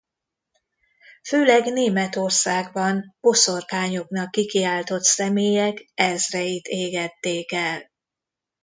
Főleg Németországban boszorkányoknak kikiáltott személyek ezreit égették el.